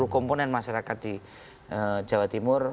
komponen masyarakat di jawa timur